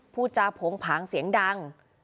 พูดจาโผงผางเสียงดัง